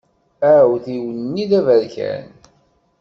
Aɛudiw-nni d aberkan.